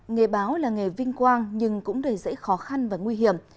nghề báo là nghề vinh quang nhưng cũng đầy dễ khó khăn và nguy hiểm